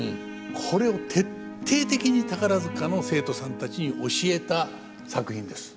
これを徹底的に宝塚の生徒さんたちに教えた作品です。